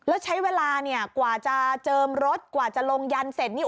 แล้วใช้เวลาเนี่ยกว่าจะเจิมรถกว่าจะลงยันเสร็จนี่